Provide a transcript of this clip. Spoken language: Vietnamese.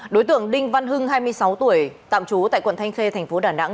đối tượng đinh văn hưng hai mươi sáu tuổi tạm trú tại quận thanh khê thành phố đà nẵng